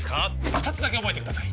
二つだけ覚えてください